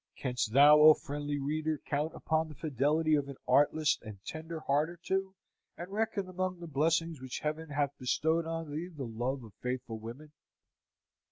Canst thou, O friendly reader, count upon the fidelity of an artless and tender heart or two, and reckon among the blessings which Heaven hath bestowed on thee the love of faithful women!